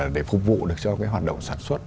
để phục vụ được cho hoạt động sản xuất